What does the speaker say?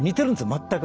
全く。